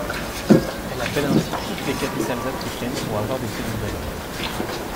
Elle appelle ainsi toutes les capitales africaines pour avoir de ses nouvelles.